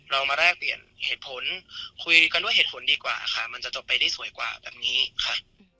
เรามาแลกเปลี่ยนเหตุผลคุยกันด้วยเหตุผลดีกว่าค่ะมันจะจบไปได้สวยกว่าแบบนี้ค่ะ